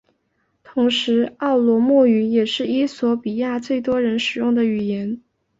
同时奥罗莫语也是衣索比亚最多人使用的语言。